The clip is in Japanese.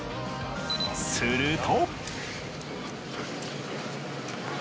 すると。